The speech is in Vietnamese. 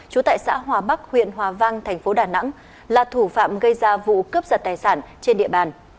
trú tại xã hòa bắc huyện hòa vang thành phố đà nẵng là thủ phạm gây ra vụ cướp giật tài sản trên địa bàn